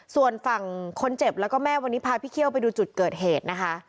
ส่วนฝั่งคนเจ็บแล้วก็แม่วันนี้พาพี่เคี่ยวไปดูจุดเกิดเหตุนะคะ